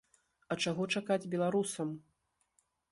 А чаго чакаць беларусам?